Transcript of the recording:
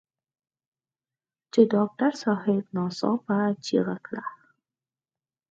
چې ډاکټر صاحب ناڅاپه چيغه کړه.